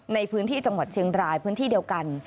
ในพื้นที่จังหวัดเชียงรายพื้นที่เดียวกัน